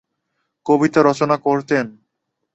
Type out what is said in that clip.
কবিতা রচনা করতেন।